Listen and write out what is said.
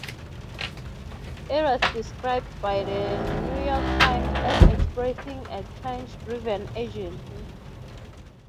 It was described by "The New York Times" as expressing "a clenched, driven urgency".